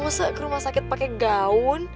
masa ke rumah sakit pakai gaun